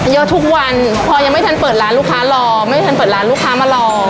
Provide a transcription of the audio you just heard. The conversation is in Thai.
เยอะทุกวันพอยังไม่ทันเปิดร้านลูกค้ารอไม่ทันเปิดร้านลูกค้ามารอ